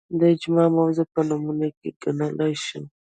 د اجماع موضوع په نمونو کې ګڼلای شو